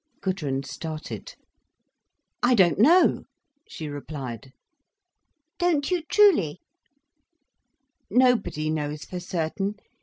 Gudrun started. "I don't know," she replied. "Don't you truly?" "Nobody knows for certain.